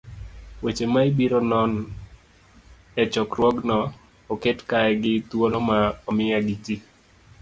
Weche ma ibiro non e chokruogno oket kae gi thuolo ma omiya gi ji